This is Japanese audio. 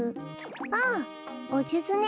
ああおじゅずね。